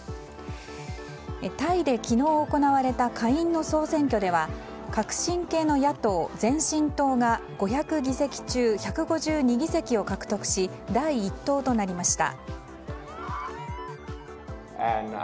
タイで昨日行われた下院の総選挙では革新系の野党・前進党が５００議席中１５２議席を獲得し第１党となりました。